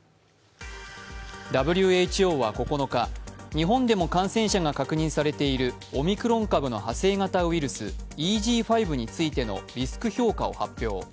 ＷＨＯは９日、日本でも感染者が確認されているオミクロン株の派生型ウイルスＥＧ．５についてのリスク評価を発表。